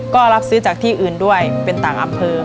ก็รับซื้อจากที่อื่นด้วยเป็นต่างอำเภอ